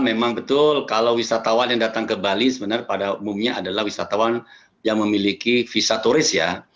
memang betul kalau wisatawan yang datang ke bali sebenarnya pada umumnya adalah wisatawan yang memiliki visa turis ya